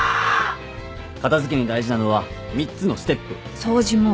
片付けに大事なのは３つのステップ掃除も。